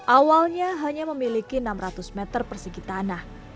awalnya hanya memiliki enam ratus meter persegi tanah